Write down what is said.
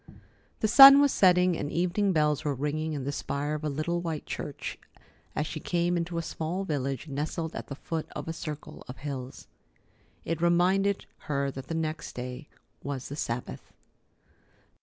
The sun was setting, and evening bells were ringing in the spire of a little white church, as she came into a small village nestled at the foot of a circle of hills. It reminded her that the next day was the Sabbath.